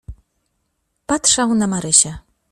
"Patrzał na Marysię."